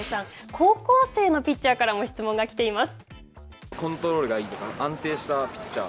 高校生のピッチャーからも質問が来ています。